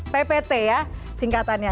ppt ya singkatannya